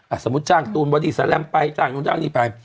อ่ะสมมุติจ้างตูนวดีแซร์แรมไปจ้างตูนจ้างนี่ไป